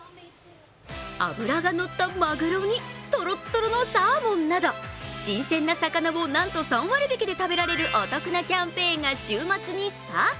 脂がのったまぐろにとろっとろのサーモンなど新鮮な魚を、なんと３割引きで食べられるお得なキャンペーンが週末にスタート。